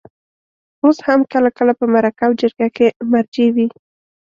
اوس هم کله کله په مرکه او جرګه کې مرجع وي.